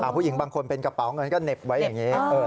ผู้หญิงบางคนเป็นกระเป๋าเงินก็เหน็บไว้อย่างนี้